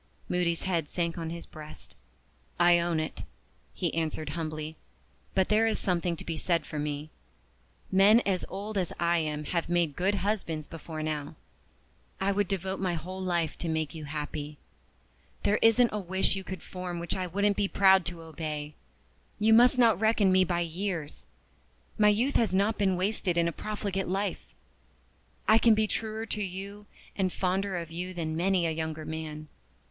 Moody's head sank on his breast. "I own it," he answered humbly. "But there is something to be said for me. Men as old as I am have made good husbands before now. I would devote my whole life to make you happy. There isn't a wish you could form which I wouldn't be proud to obey. You must not reckon me by years. My youth has not been wasted in a profligate life; I can be truer to you and fonder of you than many a younger man.